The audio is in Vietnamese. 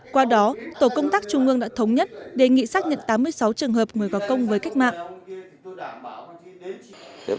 qua đó tổ công tác trung ương đã thống nhất đề nghị xác nhận tám mươi sáu trường hợp người có công với cách mạng